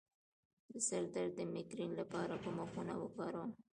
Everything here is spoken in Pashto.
د سر درد د میګرین لپاره کومه خونه وکاروم؟